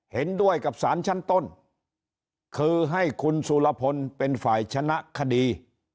เห็นด้วยกับสารชั้นต้นคือให้คุณสุรพลเป็นฝ่ายชนะคดี